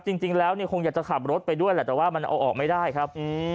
จริงแล้วเนี่ยคงอยากจะขับรถไปด้วยแหละแต่ว่ามันเอาออกไม่ได้ครับ